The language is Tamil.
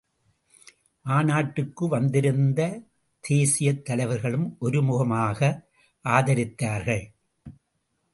மாநாட்டிற்கு வந்திருந்த எல்லா தேசியத் தலைவர்களும் ஒருமுகமாக ஆதரித்தார்கள்.